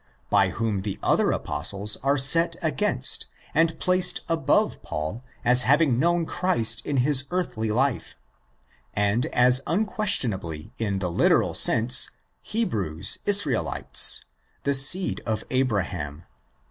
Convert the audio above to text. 1), by whom the other Apostles are set against and placed above Paul as having known Christ in his earthly life, and as unquestionably in the literal sense Hebrews, Israelites, the seed of Abraham (xi.